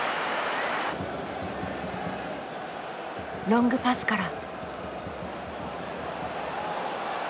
ロングパスから。